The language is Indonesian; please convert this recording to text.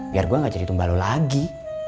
biar gue gak jadi tumba lu lagi